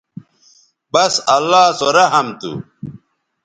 بس اللہ سو رحم تھو